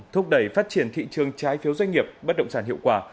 thúc đẩy phát triển thị trường trái phiếu doanh nghiệp bất động sản hiệu quả